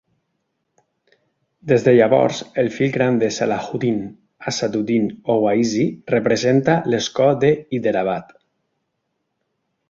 Des de llavors, el fill gran de Salahuddin, Asaduddin Owaisi, representa l'escó de Hyderabad.